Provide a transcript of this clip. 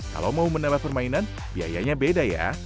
kalau mau menambah permainan biayanya beda ya